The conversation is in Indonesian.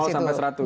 sampai seratus